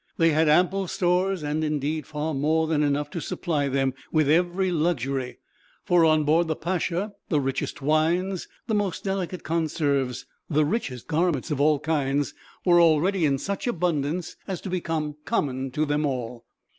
They had ample stores and, indeed, far more than enough to supply them with every luxury; for on board the Pacha the richest wines, the most delicate conserves, the richest garments of all kinds were already in such abundance as to become common to them all.